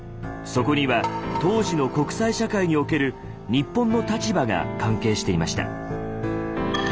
そこには当時の国際社会における日本の立場が関係していました。